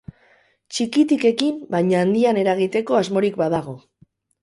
Txikitik ekin baina handian eragiteko asmorik badago.